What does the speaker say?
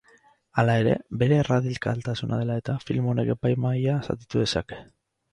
Hala ere, bere erradikaltasuna dela eta, film honek epaimahaia zatitu dezake.